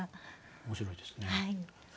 面白いですね。